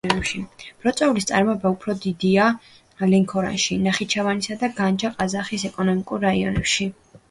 ბროწეულის წარმოება უფრო დიდია ლენქორანში, ნახიჩევანისა და განჯა-ყაზახის ეკონომიკურ რაიონებში.